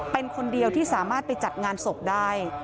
เป็นคนเดียวที่สามารถไปจัดงานศพได้